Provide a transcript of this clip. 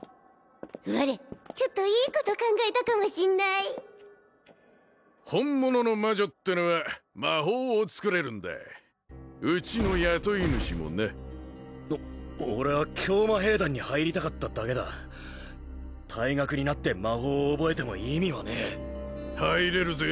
我ちょっといいこと考えたかもしんない本物の魔女ってのは魔法を作れるんだうちの雇い主もなお俺は教魔兵団に入りたかっただけだ退学になって魔法を覚えても意味はねえ入れるぜ